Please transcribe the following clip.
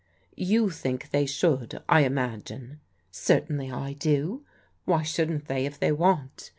" You think they should, I imagine ?"" Certainly I do. Why shouldn't they, if they want